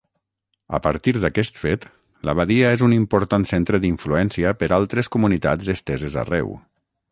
A partir d'aquest fet, l'abadia és un important centre d'influència per altres comunitats esteses arreu.